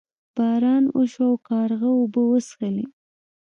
باران وشو او کارغه اوبه وڅښلې.